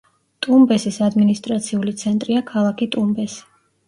ტუმბესის ადმინისტრაციული ცენტრია ქალაქი ტუმბესი.